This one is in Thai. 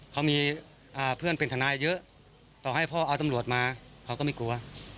เขามีเพื่อนเป็นทนายเยอะต่อให้พ่อเอาตำรวจมาเขาก็ไม่กลัว